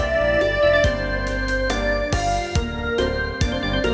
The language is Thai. มันอยู่ที่ไหนล่ะ